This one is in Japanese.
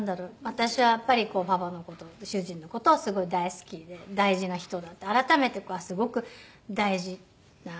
私はやっぱりパパの事を主人の事をすごい大好きで大事な人だって改めてすごく大事な人。